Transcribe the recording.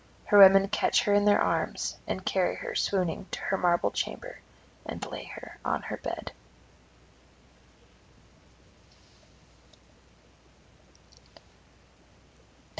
Her women catch her in their arms, and carry her swooning to her marble chamber and lay her on her bed.